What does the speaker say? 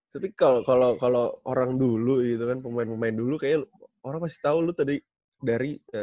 tapi kalau orang dulu gitu kan pemain pemain dulu kayaknya orang pasti tahu lu tadi dari